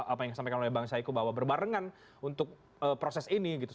apa yang disampaikan oleh bang saiku bahwa berbarengan untuk proses ini gitu